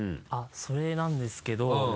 あっそれなんですけど。